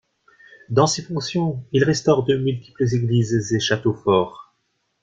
Dans ces fonctions, il restaure de multiples églises et châteaux forts.